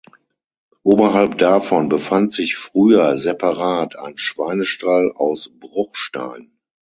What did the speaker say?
Oberhalb davon befand sich früher separat ein Schweinestall aus Bruchstein.